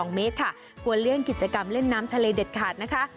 ๒เมตรค่ะควรเลี่ยงกิจกรรมเล่นน้ำทะเลเด็ดขาดนะคะ